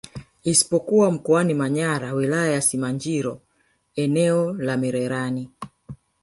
Isipokuwa Mkoani Manyara Wilaya ya Simanjiro eneo la Mererani